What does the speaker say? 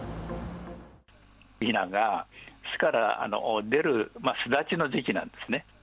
ひなが巣から出る巣立ちの時期なんですね。